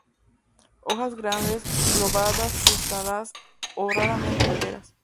Hojas grandes, lobadas, dentadas o raramente enteras.